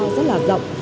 rất là rộng